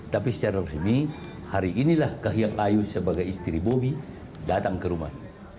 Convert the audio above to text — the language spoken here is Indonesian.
tapi secara resmi hari inilah kahiyang ayu sebagai istri bobi datang ke rumah